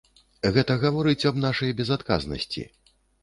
Гэта гаворыць аб нашай безадказнасці.